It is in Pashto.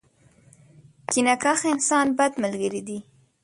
کینه کښ انسان ، بد ملګری دی.